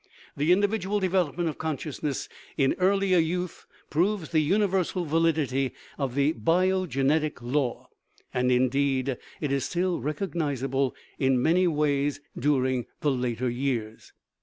The individual development of consciousness in ear lier youth proves the universal validity of the biogenetic law ; and, indeed, it is still recognizable in many ways during the later years.